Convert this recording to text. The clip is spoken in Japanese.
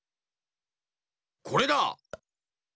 これだ！